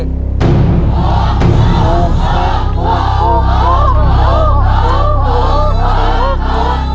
ถูก